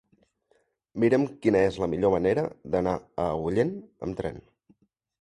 Mira'm quina és la millor manera d'anar a Agullent amb tren.